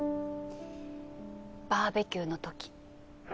バーベキューのとき。